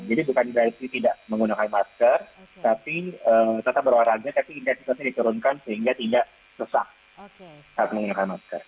jadi bukan berarti tidak menggunakan masker tetap berolahraga tetapi intensitasnya diturunkan sehingga tidak sesak